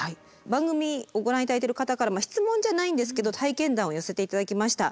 番組をご覧頂いてる方からも質問じゃないんですけど体験談を寄せて頂きました。